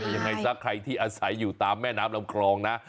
ยังไงซะใครที่อาศัยอยู่ตามแม่น้ำลำคลองนะ